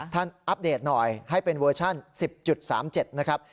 อัปเดตหน่อยให้เป็นเวอร์ชั่น๑๐๓๗นะครับ